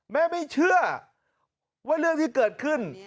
ไม่เชื่อว่าเรื่องที่เกิดขึ้น